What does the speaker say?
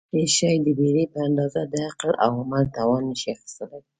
هېڅ شی د بېرې په اندازه د عقل او عمل توان نشي اخیستلای.